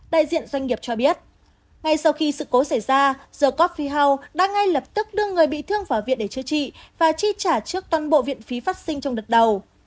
đại diện doanh nghiệp cho biết ngay sau khi sự cố xảy ra the coph phi house đã ngay lập tức đưa người bị thương vào viện để chữa trị và chi trả trước toàn bộ viện phí phát sinh trong đợt đầu